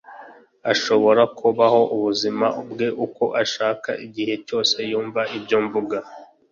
Ashobora kubaho ubuzima bwe uko ashaka igihe cyose yumva ibyo mvuga.